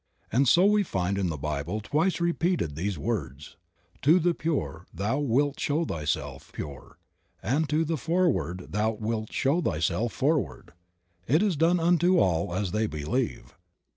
And so we find in the Bible twice repeated these words: "To the pure Thou wilt show Thyself pure and to the froward Thou wilt show Thyself froward." It is done unto all as they believe.